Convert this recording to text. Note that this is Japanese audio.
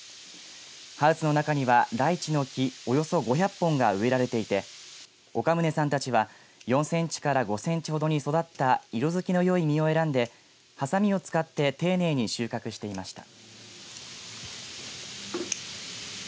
ハウスの中にはライチの木およそ５００本が植えられていて岡宗さんたちは４センチから５センチほどに育った色づきのよい実を選んではさみを使って丁寧に収穫していました。